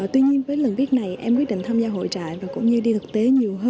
tuy nhiên với lần viết này em quyết định tham gia hội trại và cũng như đi thực tế